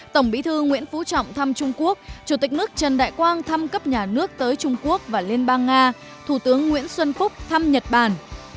tổng bí thư nguyễn phú trọng thăm trung quốc chủ tịch nước trần đại quang thăm cấp nhà nước tới trung quốc và liên bang nga thủ tướng nguyễn xuân phúc thăm nhật bản